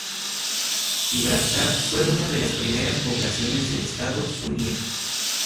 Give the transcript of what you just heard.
Gibraltar fue una de las primeras poblaciones del estado Zulia.